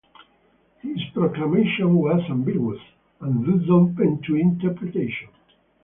His proclamation was ambiguous, and thus open to interpretation.